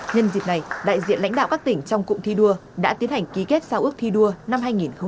nhân dịp này đại diện lãnh đạo các tỉnh trong cụm thi đua đã tiến hành ký kết giao ước thi đua năm hai nghìn hai mươi